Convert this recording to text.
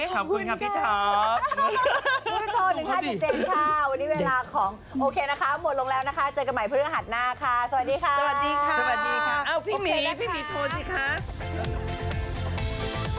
ขอบคุณค่ะพี่ท็อป